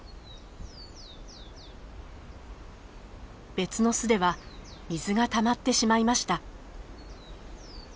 別の巣では水がたまってしまいました。